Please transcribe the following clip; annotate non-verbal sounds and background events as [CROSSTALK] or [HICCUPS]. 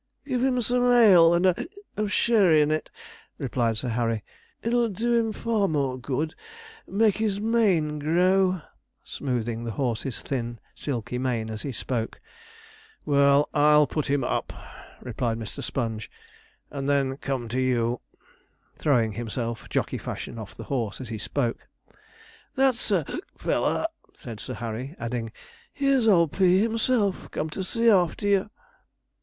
'Give him some ale, and a [HICCUPS] of sherry in it,' replied Sir Harry; 'it'll do him far more good make his mane grow,' smoothing the horse's thin, silky mane as he spoke. 'Well, I'll put him up,' replied Mr. Sponge, 'and then come to you,' throwing himself, jockey fashion, off the horse as he spoke. 'That's a [HICCUPS] feller,' said Sir Harry; adding, 'here's old Pea himself come to see after you.'